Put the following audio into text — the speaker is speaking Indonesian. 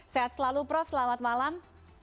sehat selalu prof selamat malam